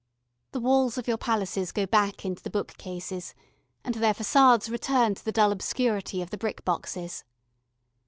The walls of your palaces go back into the book cases, and their façades return to the dull obscurity of the brick boxes.